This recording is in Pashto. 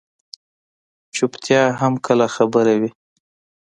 چُپتیا هم کله خبره وي.